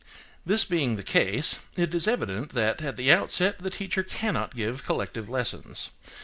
This being the case, it is evident that, at the outset the teacher cannot give collective lessons.